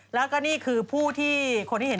แล้วก็นี่คือผู้ที่คนที่เห็น